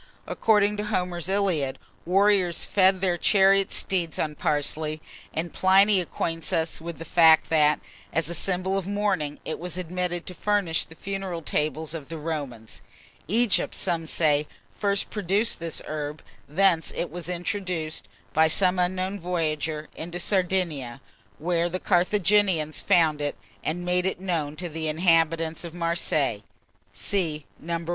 According to Homer's "Iliad," warriors fed their chariot steeds on parsley; and Pliny acquaints us with the fact that, as a symbol of mourning, it was admitted to furnish the funeral tables of the Romans. Egypt, some say, first produced this herb; thence it was introduced, by some unknown voyager, into Sardinia, where the Carthaginians found it, and made it known to the inhabitants of Marseilles. (See No.